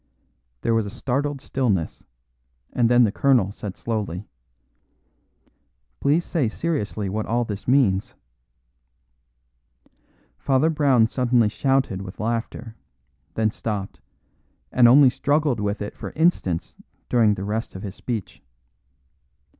There was a startled stillness, and then the colonel said slowly, "Please say seriously what all this means." Father Brown suddenly shouted with laughter, then stopped, and only struggled with it for instants during the rest of his speech.